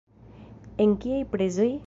En kiaj prezoj?